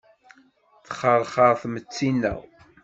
Texxerxer tmetti-nneɣ.